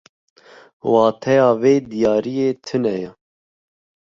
Wateya vê diyariyê tune ye.